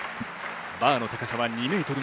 バーの高さは２ｍ２ｃｍ。